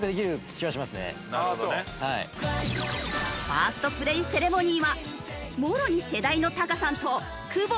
ファーストプレイセレモニーはもろに世代のタカさんと久保田アナ。